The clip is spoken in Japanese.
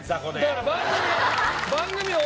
だから番組。